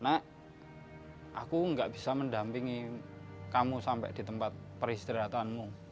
nak aku gak bisa mendampingi kamu sampai di tempat peristirahatanmu